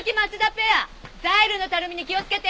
ペアザイルのたるみに気をつけて！